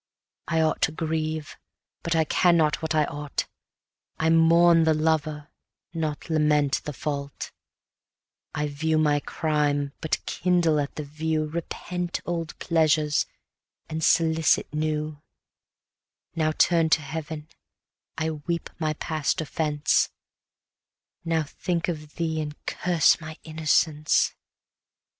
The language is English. I ought to grieve, but cannot what I ought; I mourn the lover, not lament the fault; I view my crime, but kindle at the view, Repent old pleasures, and solicit new; Now turn'd to Heaven, I weep my past offence, Now think of thee, and curse my innocence.